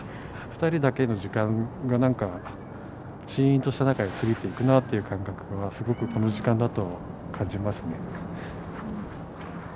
２人だけの時間がなんかシーンとした中で過ぎていくなっていう感覚はすごくこの時間だと感じますね。